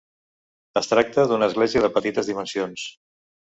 Es tracta d'una església de petites dimensions.